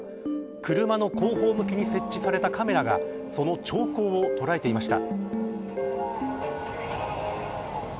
車の後方向きに設置されたカメラがその兆候を捉えていました。